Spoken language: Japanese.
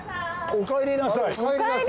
おかえりなさい。